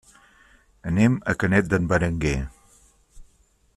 Anem a Canet d'en Berenguer.